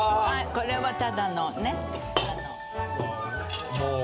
これはただのね。